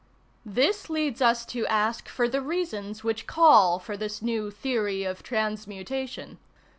This leads us to ask for the reasons which call for this new theory of transmutation.